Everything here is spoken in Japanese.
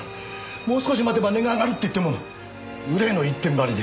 もう少し待てば値が上がるって言っても「売れ！」の一点張りで。